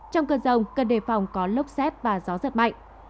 trong cơn rông cần đề phòng có lốc xét và gió giật mạnh